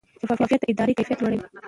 شفافیت د ادارې کیفیت لوړوي.